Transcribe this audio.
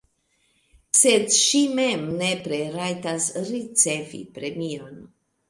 Sed ŝi mem nepre rajtas ricevi premion.